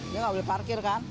dia nggak boleh parkir kan